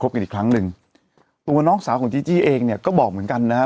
กันอีกครั้งหนึ่งตัวน้องสาวของจีจี้เองเนี่ยก็บอกเหมือนกันนะฮะ